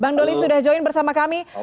bang doli sudah join bersama kami